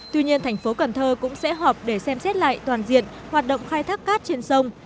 tuy nhiên tp cn cũng sẽ họp để xem xét lại toàn diện hoạt động khai thác cát trên sông